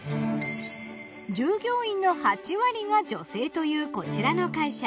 従業員の８割が女性というこちらの会社。